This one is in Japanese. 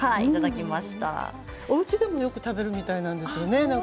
おうちでもよく食べるみたいなんですよね。